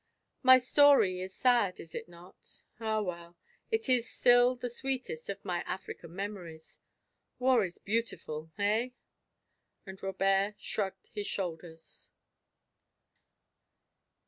"My story is sad, is it not? Ah, well, it is still the sweetest of my African memories. War is beautiful! Eh?" And Robert shrugged his shoulders....